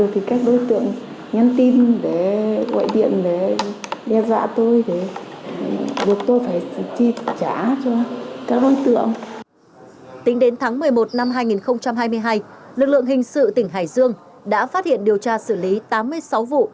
tính đến tháng một mươi một năm hai nghìn hai mươi hai lực lượng hình sự tỉnh hải dương đã phát hiện điều tra xử lý tám mươi sáu vụ